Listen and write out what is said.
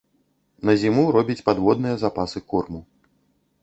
На зіму робіць падводныя запасы корму.